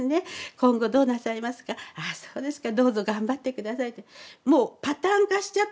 今後どうなさいますかああそうですかどうぞ頑張って下さいってもうパターン化しちゃったことを繰り返して言ってるんですよね